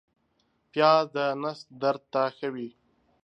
پیاز د نس درد ته ښه وي